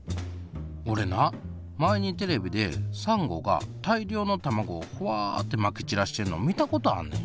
俺な前にテレビでサンゴが大量のたまごをほわってまき散らしてんの見たことあんねん。